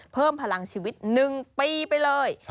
เพิ่มพลังชีวิต๑ปีไปเลย